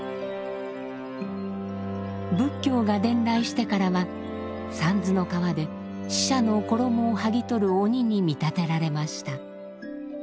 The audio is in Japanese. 仏教が伝来してからはさんずの川で死者の衣を剥ぎ取る鬼に見立てられました。